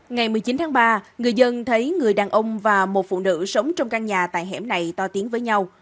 ngày một mươi chín tháng ba người dân thấy người đàn ông và một phụ nữ sống trong căn nhà tại hẻm này to tiếng với nhau